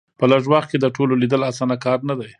په لږ وخت کې د ټولو لیدل اسانه کار نه دی.